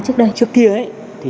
trước kia chưa có mô hình